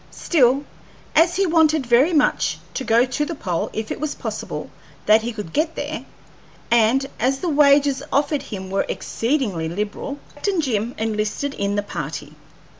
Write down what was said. Still, as he wanted very much to go to the pole if it was possible that he could get there, and as the wages offered him were exceedingly liberal, Captain Jim enlisted, in the party.